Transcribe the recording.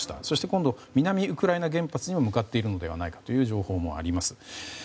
そして南ウクライナ原発に向かっているのではないかという情報もあります。